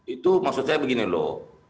itu maksud saya begini loh